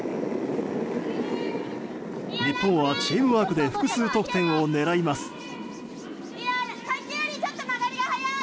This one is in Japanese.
日本はチームワークで複数得点を狙います。